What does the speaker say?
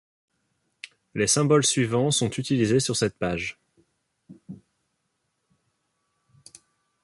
Les symboles suivants sont utilisés sur cette page.